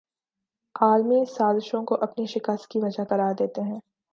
عالمی سازشوں کو اپنی شکست کی وجہ قرار دیتے ہیں